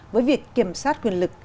với việc kiểm soát quyền lực